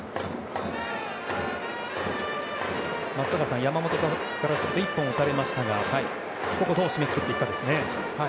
松坂さん、山本からすると１本打たれましたがここをどう締めくくっていくかですね。